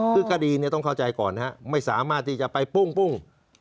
คือคดีต้องเข้าใจก่อนนะครับไม่สามารถที่จะไปปุ้ง